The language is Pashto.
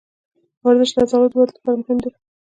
ورزش د عضلو د ودې لپاره مهم دی.